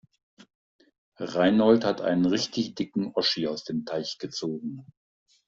Reinhold hat einen richtig dicken Oschi aus dem Teich gezogen.